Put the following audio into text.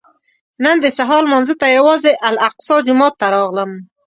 نن د سهار لمانځه ته یوازې الاقصی جومات ته راغلم.